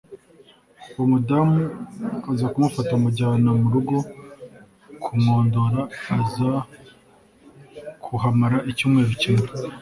uwo mudamu aza kumufata amujyana mu rugo kumwondora aza kuhamara icyumweru kimwe